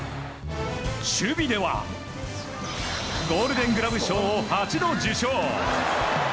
守備ではゴールデン・グラブ賞を８度受賞。